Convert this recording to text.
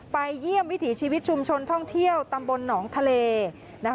เยี่ยมวิถีชีวิตชุมชนท่องเที่ยวตำบลหนองทะเลนะคะ